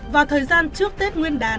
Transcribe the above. vào thời gian trước tết nguyên đán